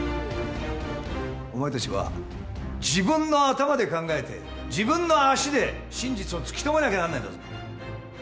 お前たちは自分の頭で考えて自分の足で真実を突き止めなきゃいけないんだぞ。